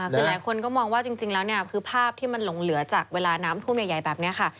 คือหลายคนก็มองว่าจริงแล้วเนี่ยคือภาพที่มันหลงเหลือจากเวลาน้ำท่วมใหญ่แบบนี้ค่ะ